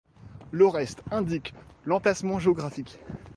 Le reste indique l'emplacement géographique.